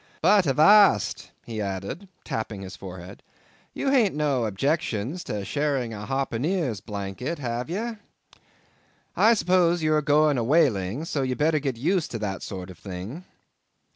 "But avast," he added, tapping his forehead, "you haint no objections to sharing a harpooneer's blanket, have ye? I s'pose you are goin' a whalin', so you'd better get used to that sort of thing."